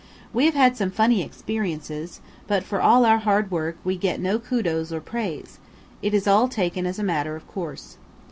We have had some funny experiences; but for all our hard work we get no kudos or praise, it is all taken as a matter of course.